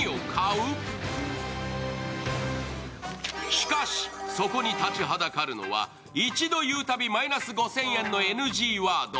しかし、そこに立ちはだかるのは一度言うたびマイナス５０００円のＮＧワード。